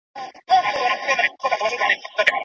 په دغي کیسې کي يوه نجلۍ ده.